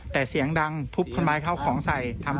แต่เสียงดังทุบคานท์ไม้ข้าวของใส่